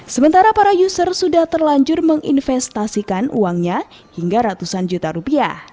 sementara para user sudah terlanjur menginvestasikan uangnya hingga ratusan juta rupiah